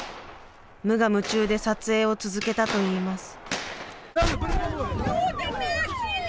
無我夢中で撮影を続けたといいます。